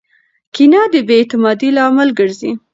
کینه د بې اعتمادۍ لامل ګرځي.